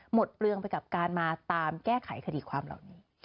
เปลืองไปกับการมาตามแก้ไขคดีความเหล่านี้